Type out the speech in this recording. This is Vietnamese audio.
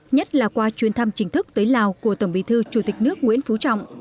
nhất là qua chuyến thăm chính thức tới lào của tổng bí thư chủ tịch nước nguyễn phú trọng